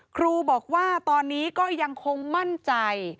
ครูบอกว่าตอนนี้ก็ยังคงมั่นใจ